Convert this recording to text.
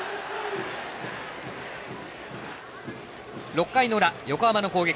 ６回の裏、横浜の攻撃。